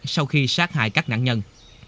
sau khi sát hại các nạn nhân